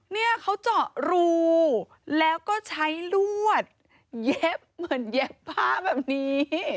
เนี่ยเขาเจาะรูแล้วก็ใช้ลวดเย็บเหมือนเย็บผ้าแบบนี้